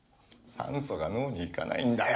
酸素が脳に行かないんだよ！